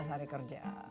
empat belas hari kerja